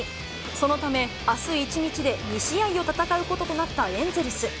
そのため、あす１日で２試合を戦うこととなったエンゼルス。